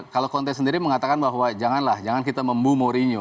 kalau conte sendiri mengatakan bahwa janganlah kita membu mourinho